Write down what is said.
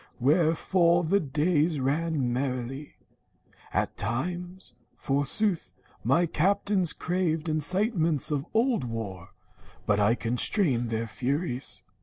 Wherefore The days ran merrily. At times, forsooth, My captains craved incitements of old war, But I constrained their furies.